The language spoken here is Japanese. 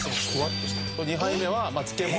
２杯目は漬物。